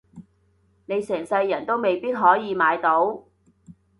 你成世人都未必可以買到